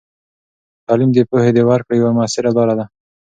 تعلیم د پوهې د ورکړې یوه مؤثره لاره ده.